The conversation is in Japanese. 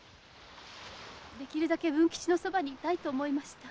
できるだけ文吉のそばにいたいと思いました。